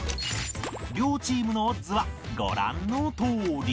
両チームのオッズはご覧のとおり